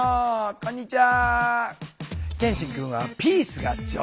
こんにちは。